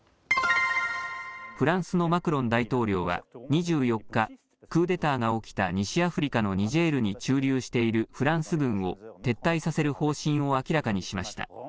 フランスのマクロン大統領は２４日、クーデターが起きた西アフリカのニジェールに駐留しているフランス軍を撤退させる方針を明らかにしました。